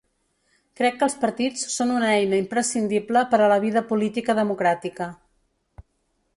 Crec que els partits són una eina imprescindible per a la vida política democràtica.